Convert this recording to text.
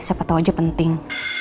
siapa tahu aja penting